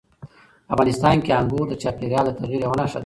افغانستان کې انګور د چاپېریال د تغیر یوه نښه ده.